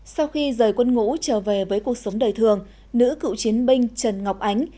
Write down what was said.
sau khi rời quân ngũ trở về với cuộc sống đời thường nữ cựu chiến binh trần ngọc ánh